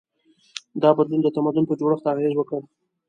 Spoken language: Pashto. دا بدلون د تمدن په جوړښت اغېز وکړ.